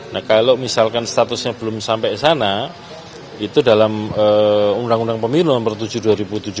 nah kalau misalkan statusnya belum sampai sana itu dalam undang undang pemilu nomor tujuh dua ribu tujuh belas